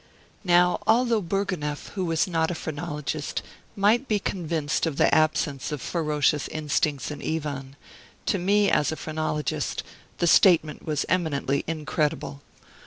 Now, although Bourgonef, who was not a phrenologist, might be convinced of the absence of ferocious instincts in Ivan, to me, as a phrenologist, the statement was eminently incredible.